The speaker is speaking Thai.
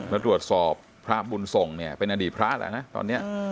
แล้วตรวจสอบพระบุญส่งเนี่ยเป็นอดีตพระแล้วนะตอนนี้